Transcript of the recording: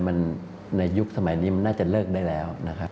มันในยุคสมัยนี้มันน่าจะเลิกได้แล้วนะครับ